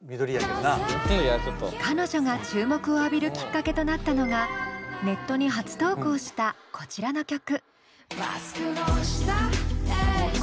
彼女が注目を浴びるきっかけとなったのがネットに初投稿したこちらの曲。